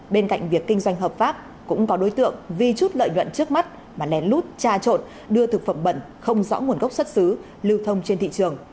bên cạnh việc kinh doanh hợp pháp cũng có đối tượng vì chút lợi nhuận trước mắt mà lén lút tra trộn đưa thực phẩm bẩn không rõ nguồn gốc xuất xứ lưu thông trên thị trường